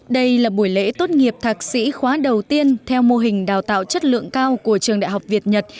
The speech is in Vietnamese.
đây là buổi lễ tốt nghiệp thạc sĩ khóa đầu tiên theo mô hình đào tạo chất lượng cao của trường đại học việt nhật